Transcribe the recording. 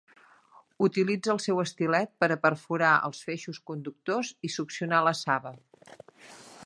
Utilitza el seu estilet per a perforar els feixos conductors i succionar la saba.